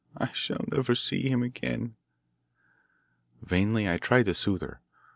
I shall never see him again." Vainly I tried to soothe her.